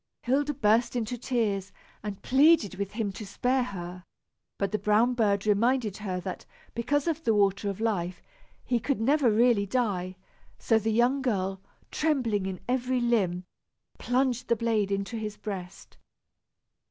Hilda burst into tears and pleaded with him to spare her; but the brown bird reminded her that, because of the water of life, he could never really die; so the young girl, trembling in every limb, plunged the blade into his breast.